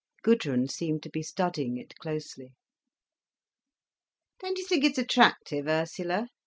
Gudrun seemed to be studying it closely. "Don't you think it's attractive, Ursula?"